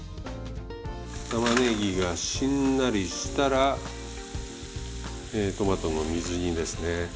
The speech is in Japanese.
玉ねぎがしんなりしたらトマトの水煮ですね。